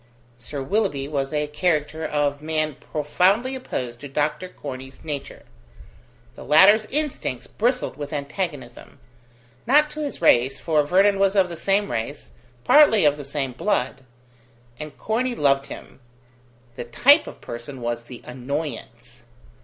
Sir Willoughby was a character of man profoundly opposed to Dr. Corney's nature; the latter's instincts bristled with antagonism not to his race, for Vernon was of the same race, partly of the same blood, and Corney loved him: the type of person was the annoyance.